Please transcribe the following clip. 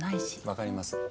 分かります。